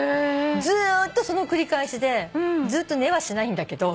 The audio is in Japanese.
ずーっとその繰り返しでずっと寝はしないんだけど。